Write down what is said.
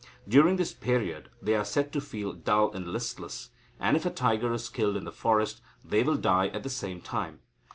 During this period they are said to feel dull and listless, and, if a tiger is killed in the forest, they will die at the same time.